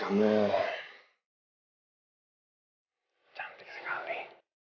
kamu cantik sekali